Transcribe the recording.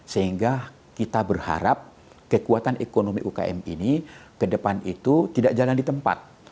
sehingga kita berharap kekuatan ekonomi ukm ini ke depan itu tidak jalan di tempat